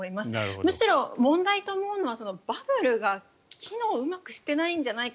むしろ問題と思うのはバブルがうまく機能していないんじゃないか。